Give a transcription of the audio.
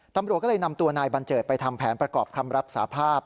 ตำรวจก็เลยนำตัวนายบัญเจิดไปทำแผนประกอบคำรับสาภาพ